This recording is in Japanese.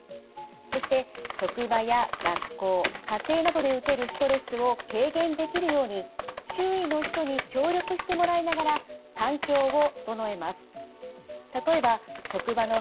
そして職場や学校家庭などで受けるストレスを軽減できるように周囲の人に協力してもらいながら環境を整えます。